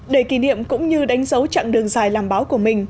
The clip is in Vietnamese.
để kỷ niệm cũng như đánh dấu chặng đường dài làm báo của mình